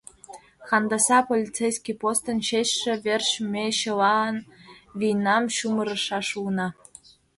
Хандаса полицейский постын честьше верч ме чыла вийнам чумырышаш улына.